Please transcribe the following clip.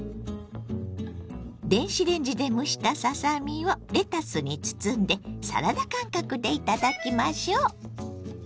電子レンジで蒸したささ身をレタスに包んでサラダ感覚で頂きましょ。